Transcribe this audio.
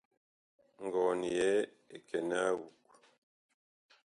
Ngɔn yɛɛ ɛ kɛnɛɛ a awug.